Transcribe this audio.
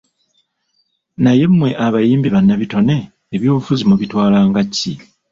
Naye mwe abayimbi bannabitone ebyobufuzi mubitwala nga ki?